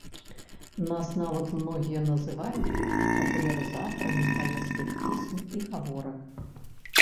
Нас нават многія называюць папулярызатарамі палескіх песень і гаворак.